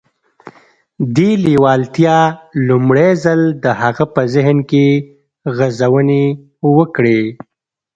دې لېوالتیا لومړی ځل د هغه په ذهن کې غځونې وکړې.